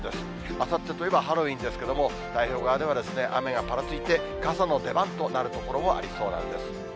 あさってといえばハロウィーンですけれども、太平洋側では雨がぱらついて、傘の出番となる所もありそうなんです。